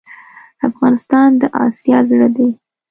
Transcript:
افغانستان دا اسیا زړه ډی